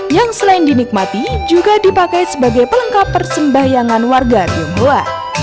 yang selain dinikmati juga dipakai sebagai pelengkap persembahyangan warga tionghoa